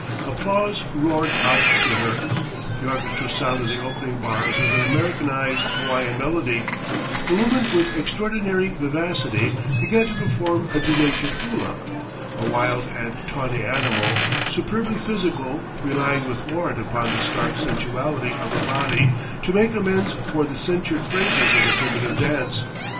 Applause roared out to her, the orchestra sounded the opening bars of an Americanised Hawaiian melody, the woman with extraordinary vivacity began to perform a denatured hula: a wild and tawny animal, superbly physical, relying with warrant upon the stark sensuality of her body to make amends for the censored phrases of the primitive dance.